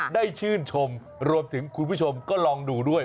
ได้ชื่นชมรวมถึงคุณผู้ชมก็ลองดูด้วย